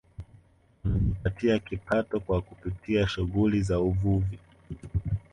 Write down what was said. Wanajipatia kipato kwa kupitia shughuli za uvuvi